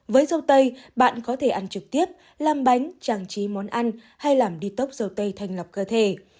với dầu tây bạn có thể ăn trực tiếp làm bánh trang trí món ăn hay làm detox dầu tây thanh lọc cơ thể